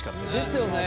ですよね。